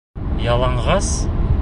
Яланғас?